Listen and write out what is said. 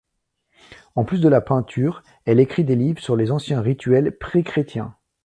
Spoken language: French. En plus de la peinture, elle écrit des livres sur les anciens rituels pré-chrétiens.